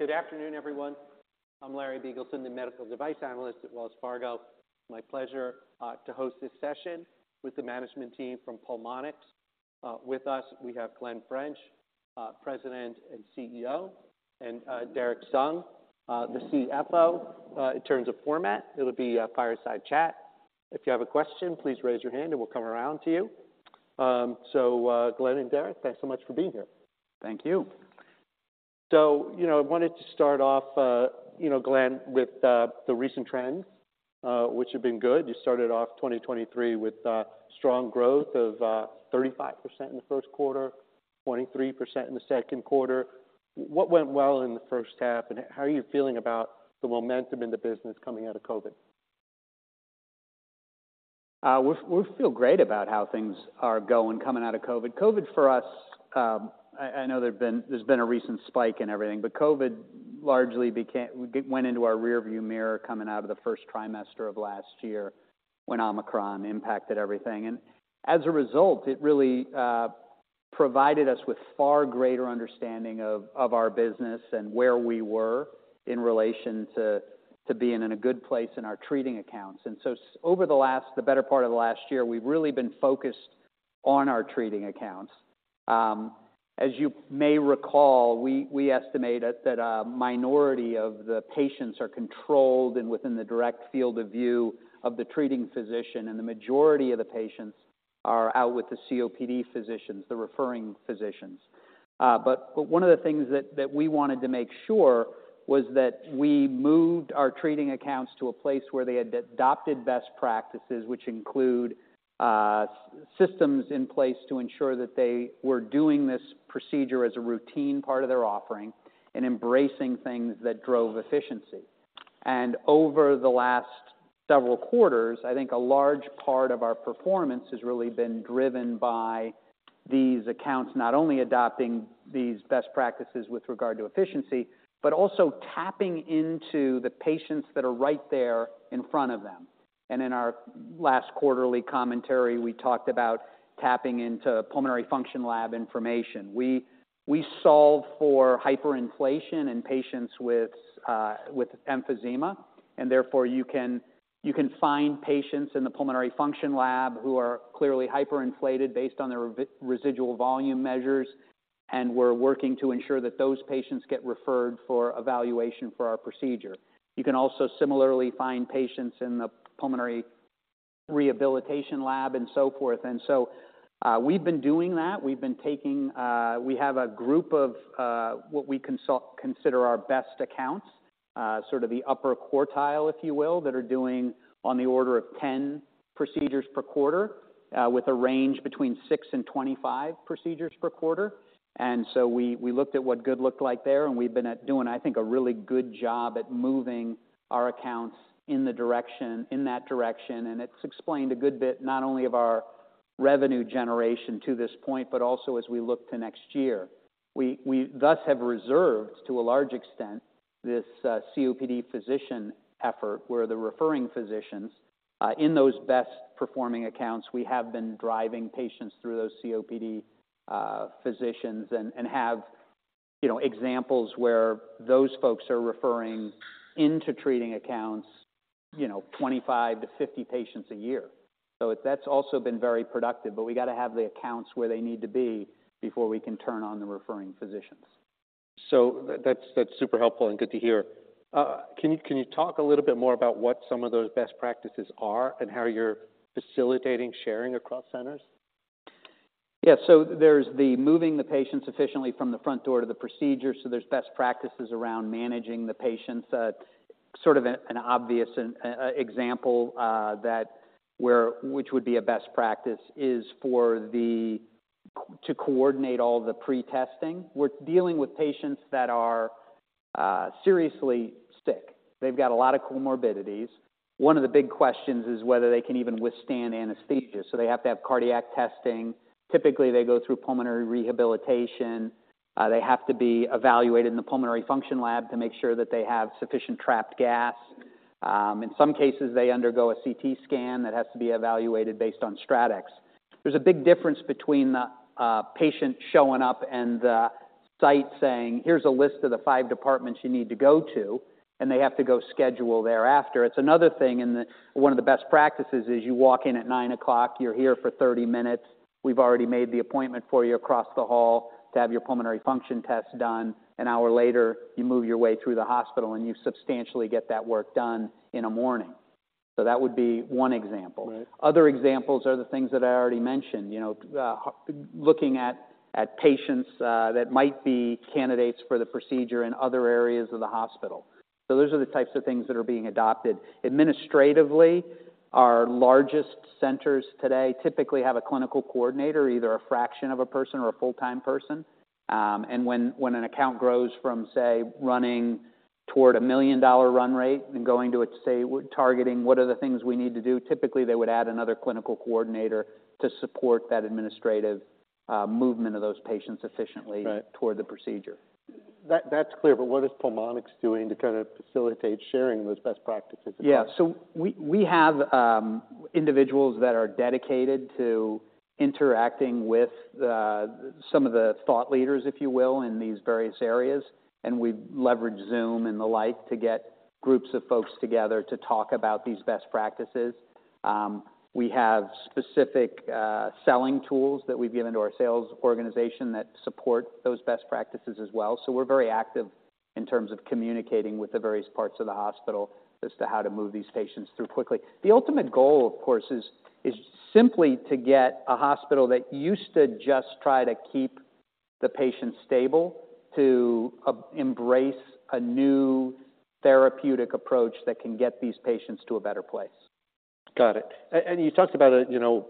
Good afternoon, everyone. I'm Larry Biegelsen, the medical device analyst at Wells Fargo. My pleasure to host this session with the management team from Pulmonx. With us, we have Glen French, President and CEO, and Derek Sung, the CFO. In terms of format, it'll be a fireside chat. If you have a question, please raise your hand, and we'll come around to you. So, Glenn and Derek, thanks so much for being here. Thank you. You know, I wanted to start off, you know, Glenn, with the recent trends, which have been good. You started off 2023 with strong growth of 35% in the 1st quarter, 23% in the 2nd quarter. What went well in the first half, and how are you feeling about the momentum in the business coming out of COVID? We feel great about how things are going coming out of COVID. COVID for us, I know there's been a recent spike in everything, but COVID largely went into our rearview mirror coming out of the 1st quarter of last year when Omicron impacted everything. And as a result, it really provided us with far greater understanding of our business and where we were in relation to being in a good place in our treating accounts. So over the better part of the last year, we've really been focused on our treating accounts. As you may recall, we estimated that a minority of the patients are controlled and within the direct field of view of the treating physician, and the majority of the patients are out with the COPD physicians, the referring physicians. But one of the things that we wanted to make sure was that we moved our treating accounts to a place where they had adopted best practices, which include systems in place to ensure that they were doing this procedure as a routine part of their offering and embracing things that drove efficiency. And over the last several quarters, I think a large part of our performance has really been driven by these accounts, not only adopting these best practices with regard to efficiency, but also tapping into the patients that are right there in front of them. And in our last quarterly commentary, we talked about tapping into pulmonary function lab information. We solve for hyperinflation in patients with emphysema, and therefore you can find patients in the pulmonary function lab who are clearly hyperinflated based on their residual volume measures. We're working to ensure that those patients get referred for evaluation for our procedure. You can also similarly find patients in the pulmonary rehabilitation lab and so forth. So, we've been doing that. We've been taking— We have a group of what we consider our best accounts, sort of the upper quartile, if you will, that are doing on the order of 10 procedures per quarter, with a range between six and 25 procedures per quarter. So we looked at what good looked like there, and we've been doing, I think, a really good job at moving our accounts in the direction—in that direction. And it's explained a good bit not only of our revenue generation to this point, but also as we look to next year. We thus have reserved, to a large extent, this COPD physician effort, where the referring physicians in those best-performing accounts, we have been driving patients through those COPD physicians and have, you know, examples where those folks are referring into treating accounts, you know, 25-50 patients a year. So that's also been very productive, but we got to have the accounts where they need to be before we can turn on the referring physicians. So that's, that's super helpful and good to hear. Can you, can you talk a little bit more about what some of those best practices are and how you're facilitating sharing across centers? Yeah. So there's the moving the patients efficiently from the front door to the procedure. So there's best practices around managing the patients. Sort of an obvious example which would be a best practice is for the to coordinate all the pre-testing. We're dealing with patients that are seriously sick. They've got a lot of comorbidities. One of the big questions is whether they can even withstand anesthesia, so they have to have cardiac testing. Typically, they go through pulmonary rehabilitation. They have to be evaluated in the Pulmonary Function Lab to make sure that they have sufficient trapped gas. In some cases, they undergo a CT scan that has to be evaluated based on StratX. There's a big difference between the patient showing up and the site saying: Here's a list of the five departments you need to go to, and they have to go schedule thereafter. It's another thing, and one of the best practices is you walk in at 9:00 A.M., you're here for 30 minutes. We've already made the appointment for you across the hall to have your pulmonary function test done. one hour later, you move your way through the hospital, and you substantially get that work done in a morning. So that would be one example. Right. Other examples are the things that I already mentioned. You know, looking at patients that might be candidates for the procedure in other areas of the hospital. So those are the types of things that are being adopted. Administratively, our largest centers today typically have a clinical coordinator, either a fraction of a person or a full-time person. And when an account grows from, say, running toward a $1 million run rate and going to it, say, we're targeting, what are the things we need to do? Typically, they would add another clinical coordinator to support that administrative movement of those patients efficiently. Right. toward the procedure. That, that's clear, but what is Pulmonx doing to kind of facilitate sharing those best practices? Yeah, so we have individuals that are dedicated to interacting with some of the thought leaders, if you will, in these various areas, and we leverage Zoom and the like to get groups of folks together to talk about these best practices. We have specific selling tools that we've given to our sales organization that support those best practices as well. So we're very active in terms of communicating with the various parts of the hospital as to how to move these patients through quickly. The ultimate goal, of course, is simply to get a hospital that used to just try to keep the patient stable to embrace a new therapeutic approach that can get these patients to a better place. Got it. And you talked about a, you know,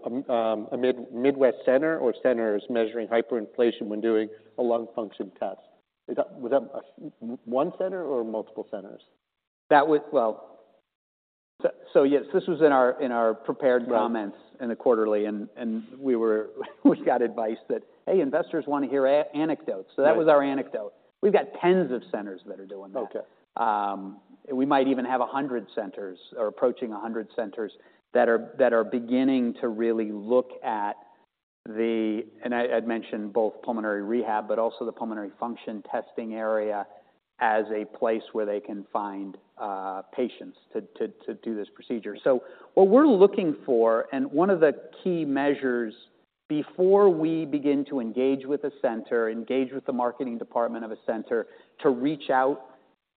a mid-Midwest center or centers measuring hyperinflation when doing a lung function test. Is that-- was that one center or multiple centers? That was... Well, so yes, this was in our prepared comments- Right in the quarterly, and we got advice that, "Hey, investors want to hear anecdotes. Right. So that was our anecdote. We've got tens of centers that are doing that. Okay. We might even have 100 centers or approaching 100 centers that are beginning to really look at the... And I'd mentioned both pulmonary rehab, but also the pulmonary function testing area as a place where they can find patients to do this procedure. So what we're looking for, and one of the key measures before we begin to engage with a center, with the marketing department of a center, to reach out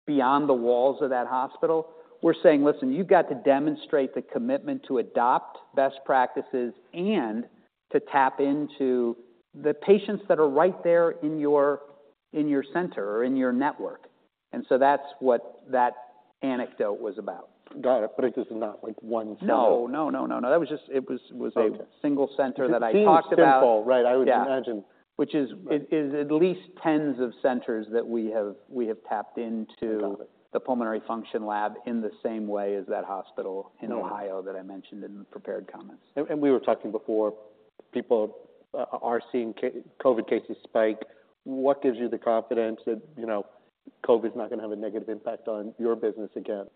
beyond the walls of that hospital, we're saying: Listen, you've got to demonstrate the commitment to adopt best practices and to tap into the patients that are right there in your center or in your network. And so that's what that anecdote was about. Got it. But it is not, like, one center? No, no, no, no. That was just... It was- Okay -a single center that I talked about. Simple right. I would imagine. Yeah. Which is- Right... it is at least tens of centers that we have, we have tapped into- Got it the Pulmonary Function Lab in the same way as that hospital in Ohio Right -that I mentioned in the prepared comments. We were talking before, people are seeing COVID cases spike. What gives you the confidence that, you know, COVID's not going to have a negative impact on your business again?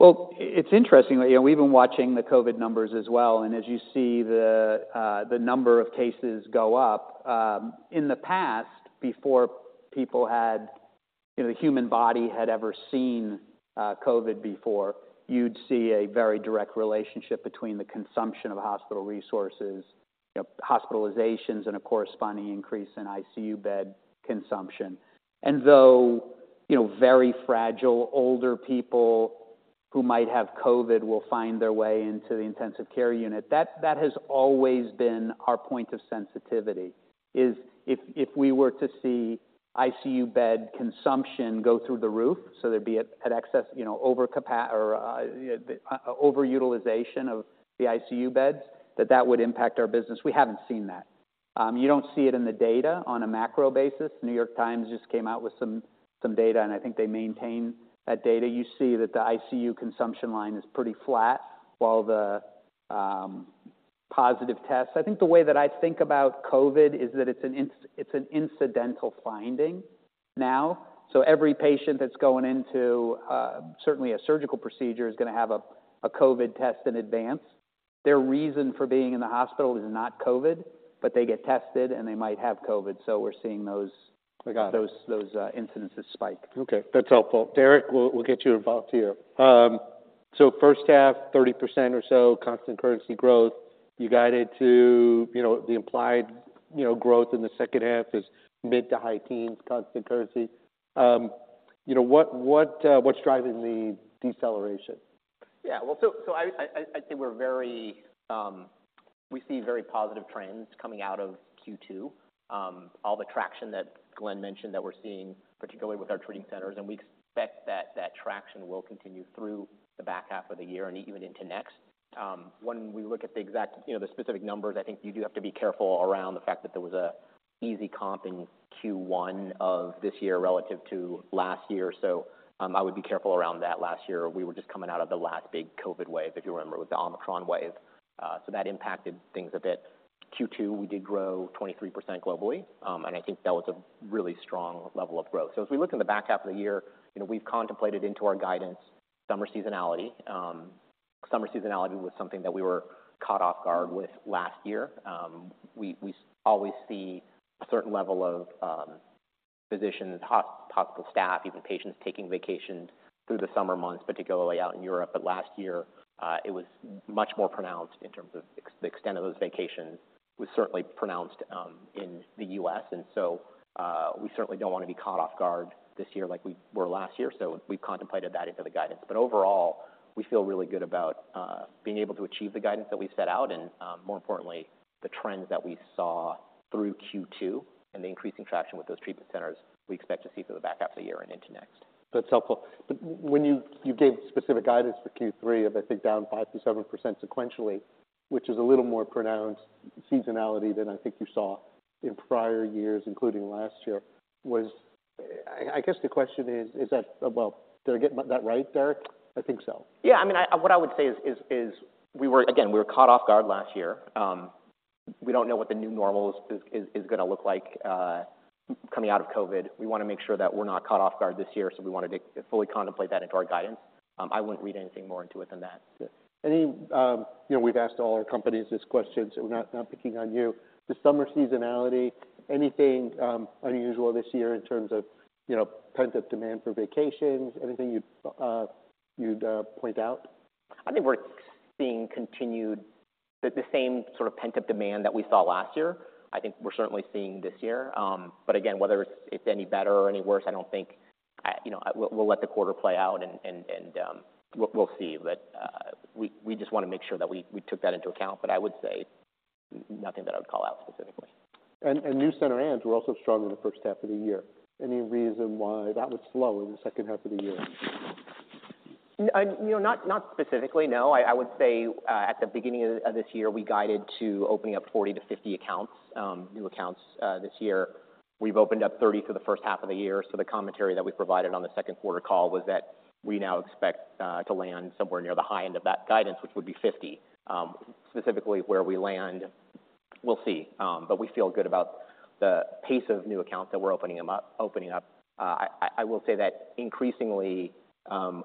Well, it's interesting. You know, we've been watching the COVID numbers as well, and as you see the number of cases go up, in the past, before people had, you know, the human body had ever seen COVID before, you'd see a very direct relationship between the consumption of hospital resources, you know, hospitalizations, and a corresponding increase in ICU bed consumption. And though, you know, very fragile, older people who might have COVID will find their way into the intensive care unit, that has always been our point of sensitivity, is if we were to see ICU bed consumption go through the roof, so there'd be an excess, you know, overcapacity or overutilization of the ICU beds, that would impact our business. We haven't seen that. You don't see it in the data on a macro basis. New York Times just came out with some data, and I think they maintain that data. You see that the ICU consumption line is pretty flat, while the positive tests... I think the way that I think about COVID is that it's an incidental finding now. So every patient that's going into certainly a surgical procedure is going to have a COVID test in advance. Their reason for being in the hospital is not COVID, but they get tested, and they might have COVID, so we're seeing those- I got it.... those incidences spike. Okay, that's helpful. Derek, we'll, we'll get you involved here. So first half, 30% or so, constant currency growth. You guided to, you know, the implied, you know, growth in the second half is mid- to high-teens, constant currency. You know, what, what, what's driving the deceleration? Yeah. Well, so I think we're very. We see very positive trends coming out of Q2. All the traction that Glenn mentioned that we're seeing, particularly with our treating centers, and we expect that that traction will continue through the back half of the year and even into next. When we look at the exact, you know, the specific numbers, I think you do have to be careful around the fact that there was an easy comp in Q1 of this year relative to last year. So, I would be careful around that. Last year, we were just coming out of the last big COVID wave, if you remember, it was the Omicron wave. So that impacted things a bit. Q2, we did grow 23% globally, and I think that was a really strong level of growth. So as we look in the back half of the year, you know, we've contemplated into our guidance, summer seasonality. Summer seasonality was something that we were caught off guard with last year. We always see a certain level of, physicians, hospital staff, even patients taking vacations through the summer months, particularly out in Europe. But last year, it was much more pronounced in terms of the extent of those vacations. It was certainly pronounced, in the U.S., and so, we certainly don't want to be caught off guard this year like we were last year. So we've contemplated that into the guidance. But overall, we feel really good about being able to achieve the guidance that we've set out, and more importantly, the trends that we saw through Q2 and the increasing traction with those treatment centers, we expect to see through the back half of the year and into next. That's helpful. But when you gave specific guidance for Q3 of, I think, down 5%-7% sequentially, which is a little more pronounced seasonality than I think you saw in prior years, including last year, I guess the question is, is that, well, did I get that right, Derek? I think so. Yeah, I mean, what I would say is we were, again, we were caught off guard last year. We don't know what the new normal is gonna look like coming out of COVID. We want to make sure that we're not caught off guard this year, so we wanted to fully contemplate that into our guidance. I wouldn't read anything more into it than that. Yeah. Any, you know, we've asked all our companies these questions, so we're not picking on you. The summer seasonality, anything unusual this year in terms of, you know, pent-up demand for vacations? Anything you'd point out? I think we're seeing continued the same sort of pent-up demand that we saw last year. I think we're certainly seeing this year. But again, whether it's any better or any worse, I don't think, you know, we'll let the quarter play out and we'll see. But we just want to make sure that we took that into account, but I would say nothing that I would call out specifically. And new center adds were also strong in the first half of the year. Any reason why that was slow in the second half of the year? You know, not, not specifically, no. I, I would say, at the beginning of, of this year, we guided to opening up 40-50 accounts, new accounts, this year. We've opened up 30 for the first half of the year. So the commentary that we provided on the second quarter call was that we now expect, to land somewhere near the high end of that guidance, which would be 50. Specifically where we land, we'll see. But we feel good about the pace of new accounts that we're opening them up, opening up. I, I will say that increasingly,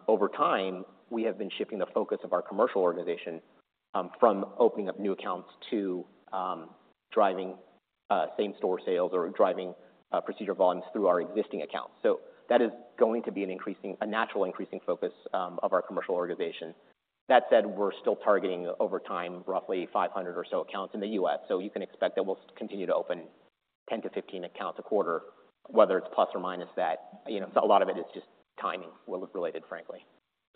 over time, we have been shifting the focus of our commercial organization, from opening up new accounts to, driving, same-store sales or driving, procedure volumes through our existing accounts. So that is going to be an increasing, a natural increasing focus of our commercial organization. That said, we're still targeting, over time, roughly 500 or so accounts in the U.S. So you can expect that we'll continue to open 10-15 accounts a quarter, whether it's plus or minus that. You know, a lot of it is just timing related, frankly.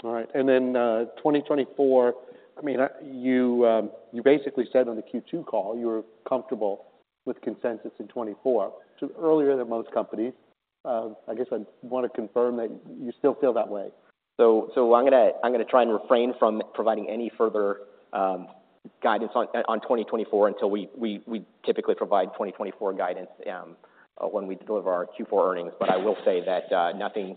All right. And then, 2024, I mean, you basically said on the Q2 call, you were comfortable with consensus in 2024, so earlier than most companies. I guess I'd want to confirm that you still feel that way? So, I'm gonna try and refrain from providing any further guidance on 2024 until we typically provide 2024 guidance when we deliver our Q4 earnings. But I will say that nothing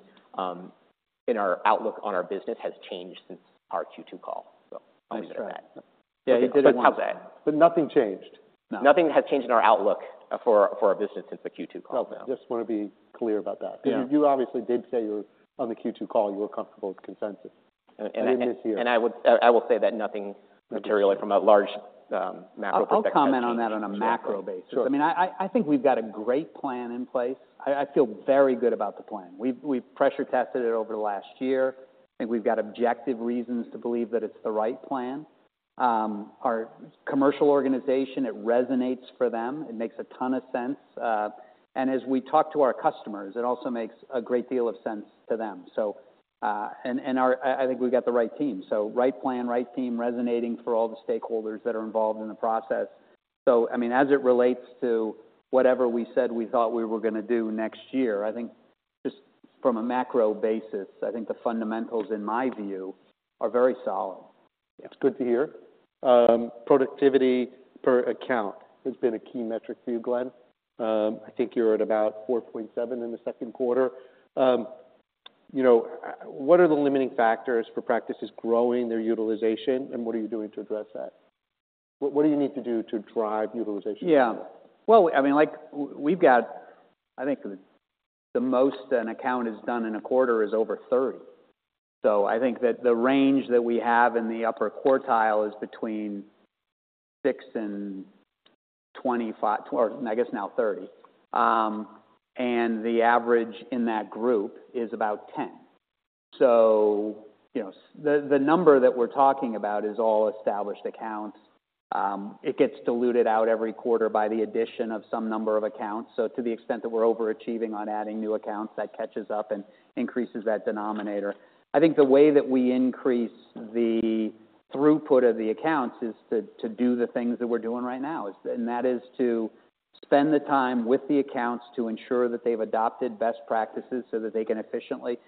in our outlook on our business has changed since our Q2 call. So- I understand. How's that? But nothing changed? Nothing has changed in our outlook for our business since the Q2 call. Well, just want to be clear about that. Yeah. 'Cause you obviously did say you were... on the Q2 call, you were comfortable with consensus and this year. I would, I will say that nothing materially from a large, macro perspective- I'll comment on that on a macro basis. Sure. I mean, I think we've got a great plan in place. I feel very good about the plan. We've pressure tested it over the last year, and we've got objective reasons to believe that it's the right plan. Our commercial organization, it resonates for them. It makes a ton of sense. As we talk to our customers, it also makes a great deal of sense to them. So, and our, I think we've got the right team. So right plan, right team, resonating for all the stakeholders that are involved in the process. So I mean, as it relates to whatever we said we thought we were gonna do next year, I think just from a macro basis, I think the fundamentals, in my view, are very solid. It's good to hear. Productivity per account has been a key metric for you, Glenn. I think you're at about 4.7 in the 2nd quarter. You know, what are the limiting factors for practices growing their utilization, and what are you doing to address that? What, what do you need to do to drive utilization? Yeah. Well, I mean, like, we've got, I think the most an account has done in a quarter is over 30. So I think that the range that we have in the upper quartile is between six and 25, or I guess now 30. And the average in that group is about 10. So, you know, the, the number that we're talking about is all established accounts. It gets diluted out every quarter by the addition of some number of accounts. So to the extent that we're overachieving on adding new accounts, that catches up and increases that denominator. I think the way that we increase the throughput of the accounts is to, to do the things that we're doing right now. That is to spend the time with the accounts to ensure that they've adopted best practices so that they can efficiently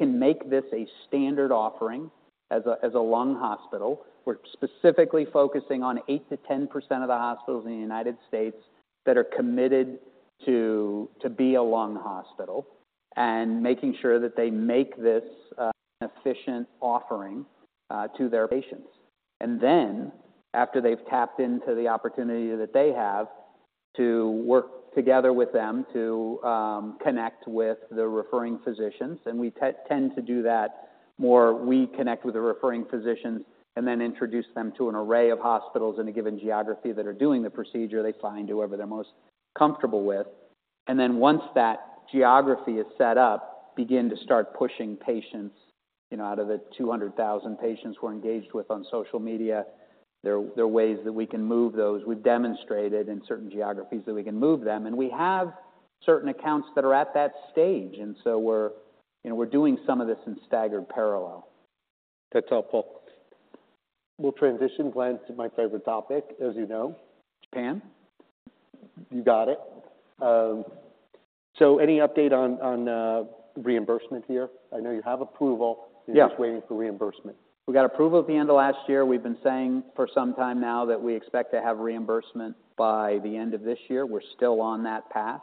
make this a standard offering as a lung hospital. We're specifically focusing on 8%-10% of the hospitals in the United States that are committed to be a lung hospital and making sure that they make this an efficient offering to their patients. Then after they've tapped into the opportunity that they have, to work together with them to connect with the referring physicians. We tend to do that more. We connect with the referring physicians and then introduce them to an array of hospitals in a given geography that are doing the procedure. They find whoever they're most comfortable with. Then once that geography is set up, begin to start pushing patients, you know, out of the 200,000 patients we're engaged with on social media. There are ways that we can move those. We've demonstrated in certain geographies that we can move them, and we have certain accounts that are at that stage, and so we're, you know, doing some of this in staggered parallel. That's helpful. We'll transition, Glenn, to my favorite topic, as you know. You can. You got it. So any update on, on, reimbursement here? I know you have approval- Yeah. You're just waiting for reimbursement. We got approval at the end of last year. We've been saying for some time now that we expect to have reimbursement by the end of this year. We're still on that path.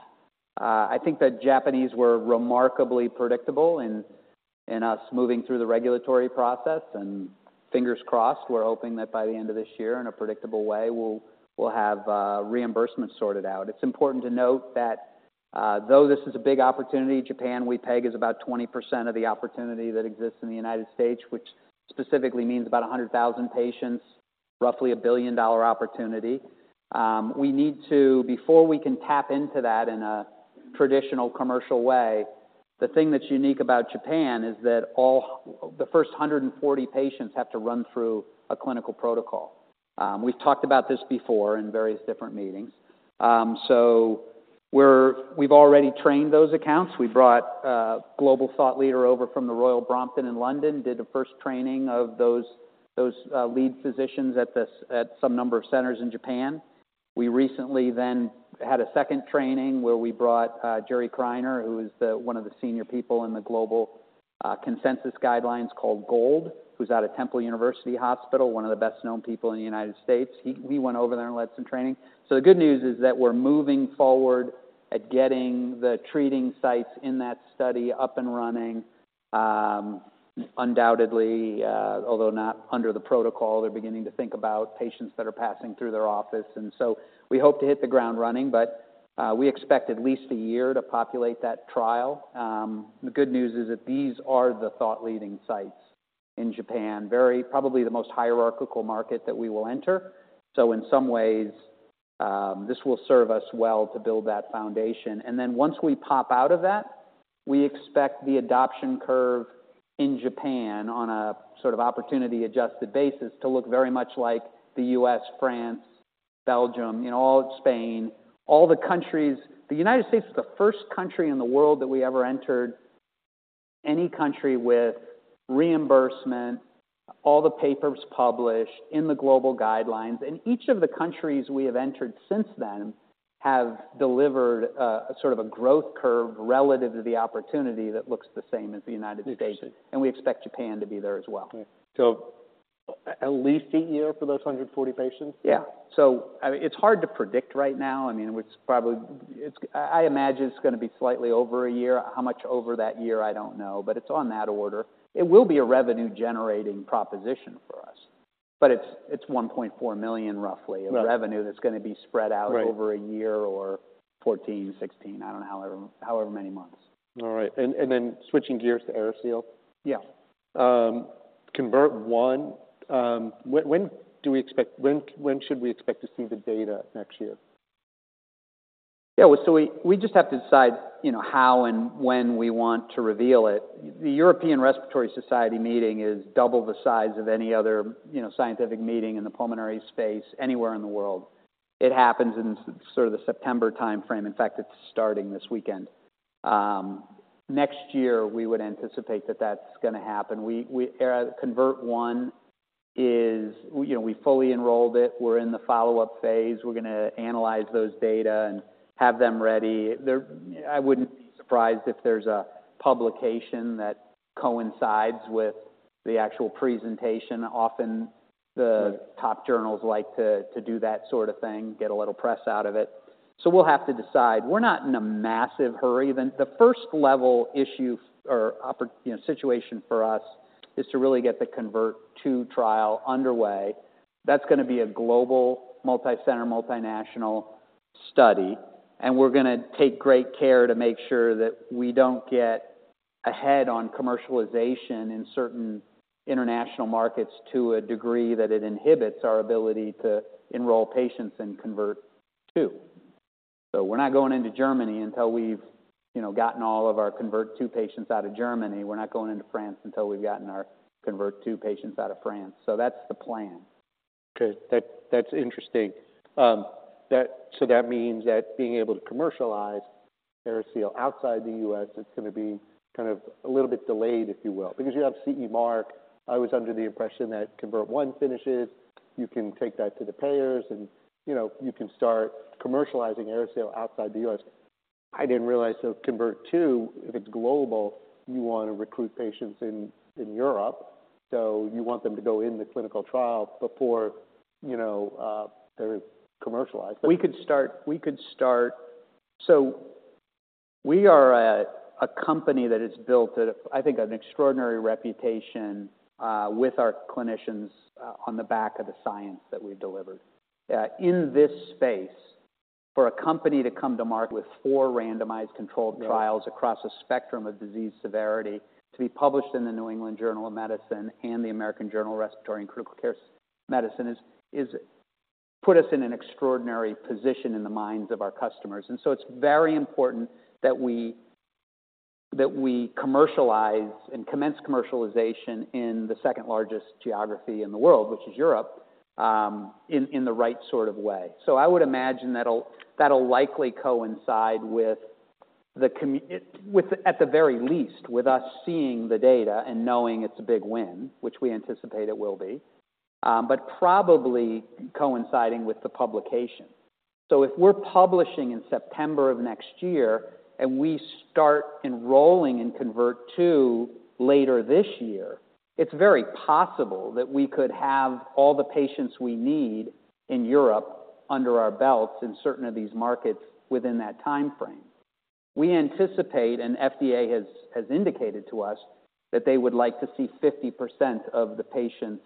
I think the Japanese were remarkably predictable in us moving through the regulatory process, and fingers crossed, we're hoping that by the end of this year, in a predictable way, we'll have reimbursement sorted out. It's important to note that, though this is a big opportunity, Japan we peg is about 20% of the opportunity that exists in the United States, which specifically means about 100,000 patients, roughly a billion-dollar opportunity. We need to-- before we can tap into that in a traditional commercial way, the thing that's unique about Japan is that all-- the first 140 patients have to run through a clinical protocol. We've talked about this before in various different meetings. So we've already trained those accounts. We brought a global thought leader over from the Royal Brompton in London, did the first training of those lead physicians at some number of centers in Japan. We recently then had a second training where we brought Jerry Criner, who is one of the senior people in the global consensus guidelines called GOLD, who's out of Temple University Hospital, one of the best-known people in the United States. He went over there and led some training. So the good news is that we're moving forward at getting the treating sites in that study up and running. Undoubtedly, although not under the protocol, they're beginning to think about patients that are passing through their office. And so we hope to hit the ground running, but we expect at least a year to populate that trial. The good news is that these are the thought-leading sites in Japan, very probably the most hierarchical market that we will enter. So in some ways, this will serve us well to build that foundation. And then once we pop out of that, we expect the adoption curve in Japan, on a sort of opportunity-adjusted basis, to look very much like the U.S., France, Belgium, you know, all of Spain, all the countries... The United States is the first country in the world that we ever entered, any country with reimbursement, all the papers published in the global guidelines. Each of the countries we have entered since then have delivered a sort of a growth curve relative to the opportunity that looks the same as the United States. Interesting. We expect Japan to be there as well. So at least a year for those 140 patients? Yeah. So, I mean, it's hard to predict right now. I mean, it's probably— I imagine it's going to be slightly over a year. How much over that year? I don't know, but it's on that order. It will be a revenue-generating proposition for us, but it's $1.4 million, roughly- Right. of revenue that's going to be spread out Right over a year or 14, 16, I don't know, however, however many months. All right. And then switching gears to AeriSeal. Yeah. CONVERT-1, when should we expect to see the data next year? Yeah, well, so we just have to decide, you know, how and when we want to reveal it. The European Respiratory Society meeting is double the size of any other, you know, scientific meeting in the pulmonary space anywhere in the world. It happens in sort of the September timeframe. In fact, it's starting this weekend. Next year, we would anticipate that that's going to happen. We... CONVERT-1 is, you know. We fully enrolled it. We're in the follow-up phase. We're going to analyze those data and have them ready. There, I wouldn't be surprised if there's a publication that coincides with the actual presentation. Often, the top journals like to do that sort of thing, get a little press out of it. So we'll have to decide. We're not in a massive hurry. The first-level issue or opport... You know, situation for us is to really get the CONVERT-2 trial underway. That's going to be a global, multicenter, multinational study, and we're going to take great care to make sure that we don't get ahead on commercialization in certain international markets to a degree that it inhibits our ability to enroll patients in CONVERT-2. So we're not going into Germany until we've, you know, gotten all of our CONVERT-2 patients out of Germany. We're not going into France until we've gotten our CONVERT-2 patients out of France. So that's the plan. Okay. That's interesting. That—so that means that being able to commercialize AeriSeal outside the U.S., it's going to be kind of a little bit delayed, if you will, because you have CE mark. I was under the impression that CONVERT-1 finishes, you can take that to the payers and, you know, you can start commercializing AeriSeal outside the U.S. I didn't realize till CONVERT-2, if it's global, you want to recruit patients in Europe, so you want them to go in the clinical trial before, you know, they're commercialized. So we are a company that has built, I think, an extraordinary reputation with our clinicians on the back of the science that we've delivered. In this space, for a company to come to market with four randomized controlled trials- Right Across a spectrum of disease severity, to be published in the New England Journal of Medicine and the American Journal of Respiratory and Critical Care Medicine, is, is put us in an extraordinary position in the minds of our customers. And so it's very important that we, that we commercialize and commence commercialization in the second-largest geography in the world, which is Europe, in, in the right sort of way. So I would imagine that'll, that'll likely coincide with, at the very least, with us seeing the data and knowing it's a big win, which we anticipate it will be, but probably coinciding with the publication. So if we're publishing in September of next year, and we start enrolling in CONVERT-2 later this year, it's very possible that we could have all the patients we need in Europe under our belts in certain of these markets within that timeframe. We anticipate, and FDA has indicated to us, that they would like to see 50% of the patients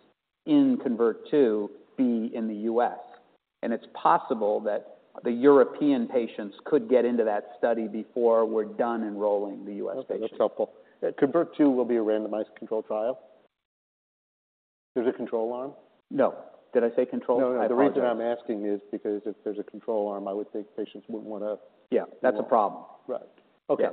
in CONVERT-2 be in the US. And it's possible that the European patients could get into that study before we're done enrolling the US patients. That's helpful. CONVERT-2 will be a randomized controlled trial? There's a control arm? No. Did I say control? No, no. I apologize. The reason I'm asking is because if there's a control arm, I would think patients wouldn't want to- Yeah, that's a problem. Right. Okay.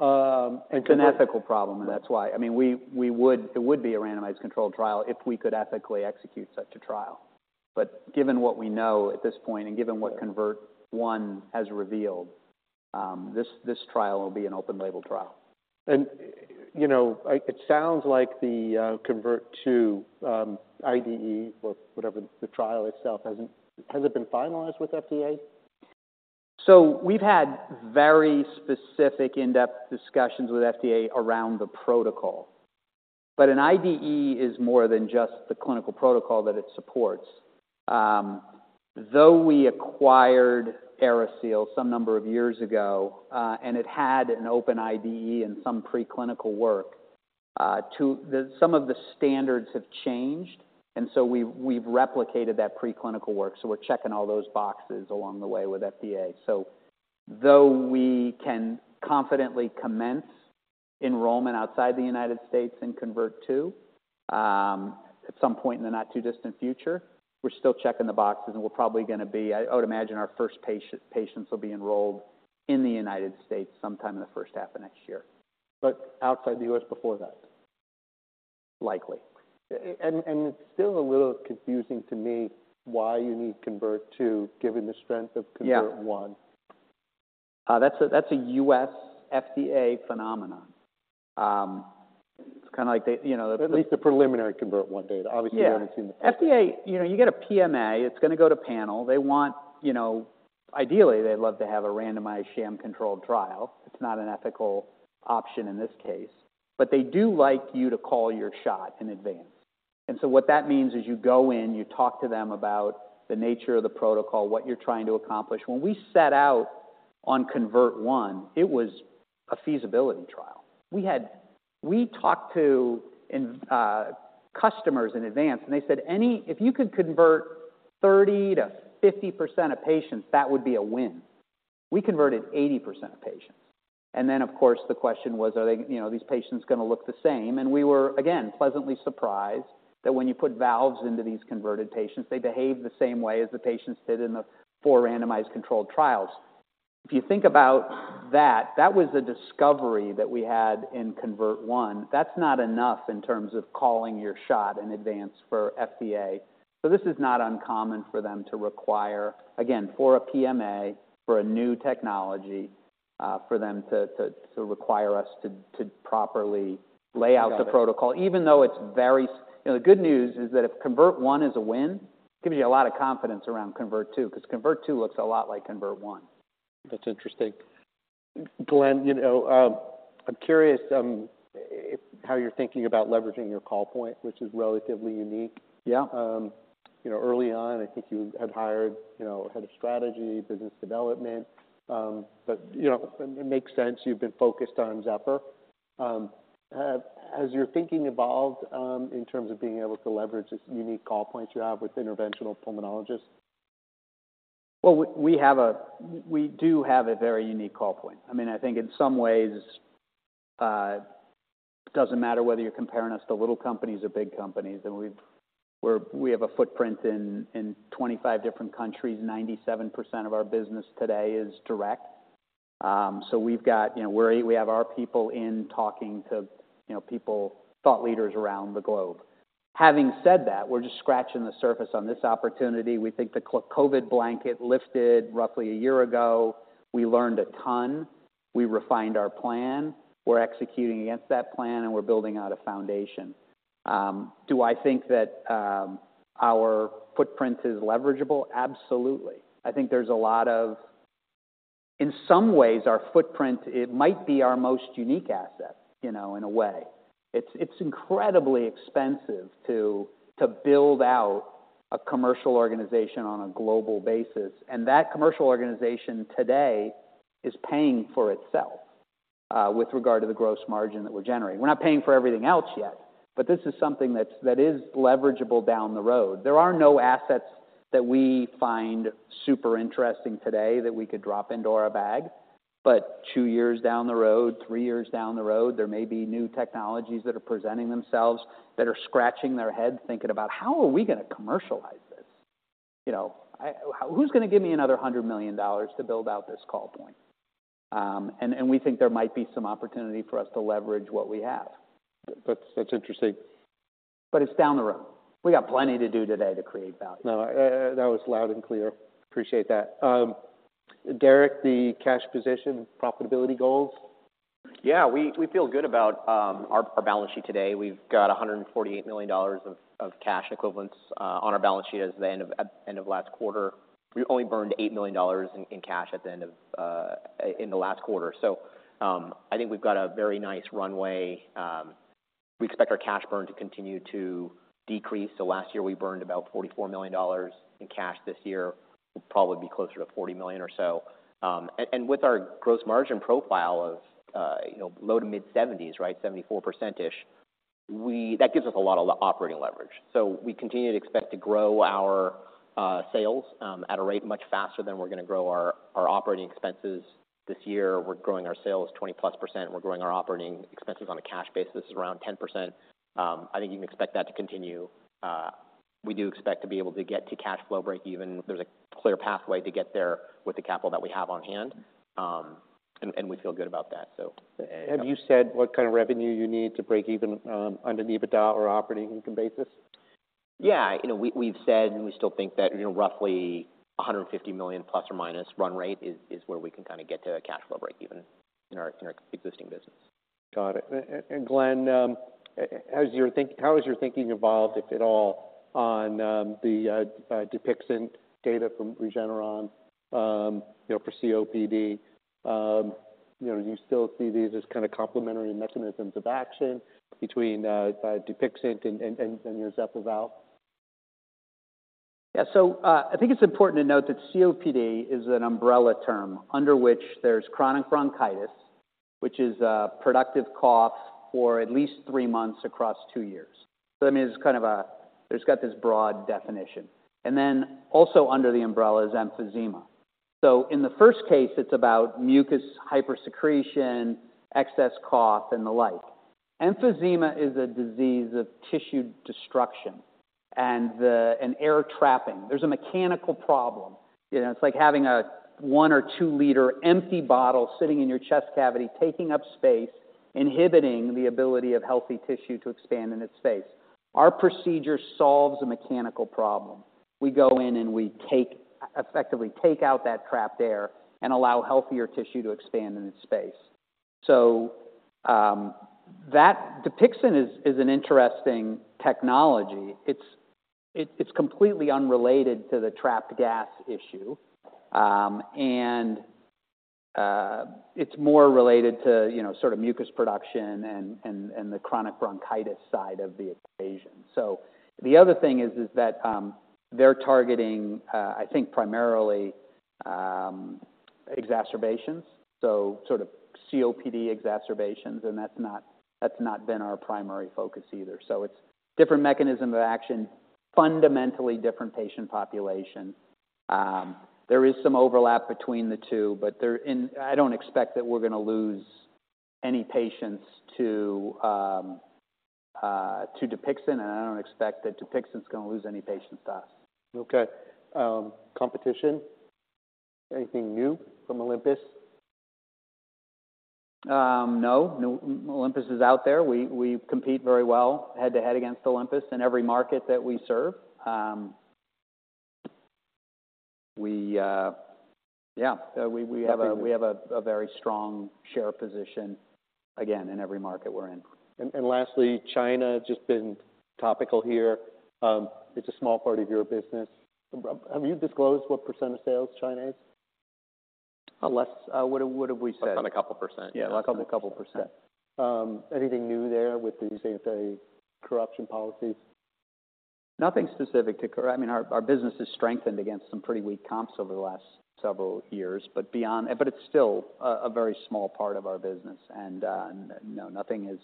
Um, and- It's an ethical problem, and that's why. I mean, it would be a randomized controlled trial if we could ethically execute such a trial. But given what we know at this point, and given what CONVERT-1 has revealed, this trial will be an open label trial. You know, like, it sounds like the CONVERT-2 IDE or whatever the trial itself, hasn't... Has it been finalized with FDA? So we've had very specific in-depth discussions with FDA around the protocol. But an IDE is more than just the clinical protocol that it supports. Though we acquired AeriSeal some number of years ago, and it had an open IDE and some preclinical work, some of the standards have changed, and so we've replicated that preclinical work, so we're checking all those boxes along the way with FDA. So though we can confidently commence enrollment outside the United States in CONVERT-2, at some point in the not too distant future, we're still checking the boxes, and we're probably gonna be... I would imagine our first patient, patients will be enrolled in the United States sometime in the first half of next year. But outside the U.S. before that? Likely. It's still a little confusing to me why you need CONVERT-2, given the strength of- Yeah -CONVERT-1. That's a U.S. FDA phenomenon. It's kind of like the, you know- At least the preliminary CONVERT-1 data. Yeah. Obviously, we haven't seen the- FDA, you know, you get a PMA, it's going to go to panel. They want, you know... ideally, they'd love to have a randomized sham-controlled trial. It's not an ethical option in this case, but they do like you to call your shot in advance. And so what that means is you go in, you talk to them about the nature of the protocol, what you're trying to accomplish. When we set out on CONVERT-1, it was a feasibility trial. We talked to customers in advance, and they said, "If you could convert 30%-50% of patients, that would be a win." We converted 80% of patients. And then, of course, the question was, are they, you know, are these patients going to look the same? We were, again, pleasantly surprised that when you put valves into these converted patients, they behave the same way as the patients did in the four randomized controlled trials. If you think about that, that was a discovery that we had in CONVERT-1. That's not enough in terms of calling your shot in advance for FDA. So this is not uncommon for them to require, again, for a PMA, for a new technology, for them to require us to properly lay out the protocol, even though it's very. You know, the good news is that if CONVERT-1 is a win, it gives you a lot of confidence around CONVERT-2, because CONVERT-2 looks a lot like CONVERT-1. That's interesting. Glenn, you know, I'm curious how you're thinking about leveraging your call point, which is relatively unique? Yeah. You know, early on, I think you had hired, you know, a head of strategy, business development, but, you know, it makes sense you've been focused on Zephyr. Has your thinking evolved, in terms of being able to leverage this unique call points you have with interventional pulmonologists? Well, we have a very unique call point. I mean, I think in some ways, it doesn't matter whether you're comparing us to little companies or big companies, and we have a footprint in 25 different countries. 97% of our business today is direct. So we've got... You know, we have our people talking to, you know, people, thought leaders around the globe. Having said that, we're just scratching the surface on this opportunity. We think the COVID blanket lifted roughly a year ago. We learned a ton. We refined our plan. We're executing against that plan, and we're building out a foundation. Do I think that our footprint is leverageable? Absolutely. I think there's a lot of, in some ways, our footprint, it might be our most unique asset, you know, in a way. It's incredibly expensive to build out a commercial organization on a global basis, and that commercial organization today is paying for itself with regard to the gross margin that we're generating. We're not paying for everything else yet, but this is something that is leverageable down the road. There are no assets that we find super interesting today that we could drop into our bag. But two years down the road, three years down the road, there may be new technologies that are presenting themselves that are scratching their heads, thinking about, "How are we going to commercialize this? You know, I-- who's going to give me another $100 million to build out this call point?" And we think there might be some opportunity for us to leverage what we have. That's, that's interesting. But it's down the road. We got plenty to do today to create value. No, that was loud and clear. Appreciate that. Derek, the cash position, profitability goals? ...Yeah, we feel good about our balance sheet today. We've got $148 million of cash equivalents on our balance sheet as of the end of last quarter. We only burned $8 million in cash at the end of the last quarter. So, I think we've got a very nice runway. We expect our cash burn to continue to decrease. So last year, we burned about $44 million in cash. This year will probably be closer to $40 million or so. And with our gross margin profile of, you know, low to mid-70s, right? 74%-ish, we, that gives us a lot of operating leverage. So we continue to expect to grow our sales at a rate much faster than we're going to grow our operating expenses this year. We're growing our sales 20%+. We're growing our operating expenses on a cash basis, around 10%. I think you can expect that to continue. We do expect to be able to get to cash flow breakeven. There's a clear pathway to get there with the capital that we have on hand, and we feel good about that so- Have you said what kind of revenue you need to break even, under the EBITDA or operating income basis? Yeah, you know, we, we've said, and we still think that, you know, roughly $150 million plus or minus run rate is where we can kind of get to a cash flow break even in our existing business. Got it. And Glenn, how has your thinking evolved, if at all, on the Dupixent data from Regeneron, you know, for COPD? You know, do you still see these as kind of complementary mechanisms of action between Dupixent and your Zephyr Valve? Yeah. So, I think it's important to note that COPD is an umbrella term under which there's chronic bronchitis, which is a productive cough for at least three months across two years. So, I mean, it's kind of. It's got this broad definition. And then also under the umbrella is emphysema. So in the first case, it's about mucus, hypersecretion, excess cough, and the like. Emphysema is a disease of tissue destruction and air trapping. There's a mechanical problem, you know, it's like having a one or two liter empty bottle sitting in your chest cavity, taking up space, inhibiting the ability of healthy tissue to expand in its space. Our procedure solves a mechanical problem. We go in and we take, effectively take out that trapped air and allow healthier tissue to expand in its space. So, that Dupixent is an interesting technology. It's completely unrelated to the trapped gas issue, and it's more related to, you know, sort of mucus production and the chronic bronchitis side of the equation. So the other thing is that they're targeting, I think, primarily, exacerbations, so sort of COPD exacerbations, and that's not been our primary focus either. So it's different mechanism of action, fundamentally different patient population. There is some overlap between the two, but I don't expect that we're going to lose any patients to Dupixent, and I don't expect that Dupixent is going to lose any patients to us. Okay. Competition, anything new from Olympus? No. No, Olympus is out there. We compete very well head-to-head against Olympus in every market that we serve. We have a very strong share position, again, in every market we're in. And lastly, China just been topical here. It's a small part of your business. Have you disclosed what percent of sales China is? Less. What have we said? Less than a couple of percent. Yeah, a couple percent Anything new there with these anti-corruption policies? Nothing specific to—I mean, our business has strengthened against some pretty weak comps over the last several years. But beyond... But it's still a very small part of our business, and no, nothing has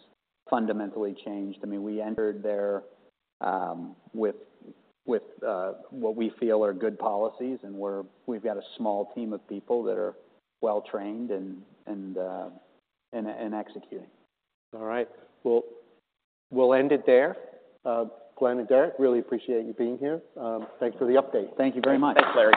fundamentally changed. I mean, we entered there with what we feel are good policies, and we've got a small team of people that are well-trained and executing. All right. Well, we'll end it there. Glenn and Derek, really appreciate you being here. Thanks for the update. Thank you very much. Thanks, Larry.